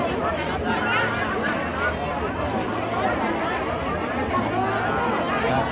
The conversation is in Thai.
สวัสดีครับ